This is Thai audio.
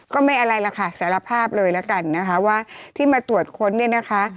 ก็ไม่อะไรล่ะค่ะสารภาพเลยละกันนะคะว่าที่มาตรวจค้นเนี่ยนะคะ